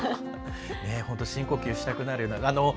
本当に深呼吸したくなるような。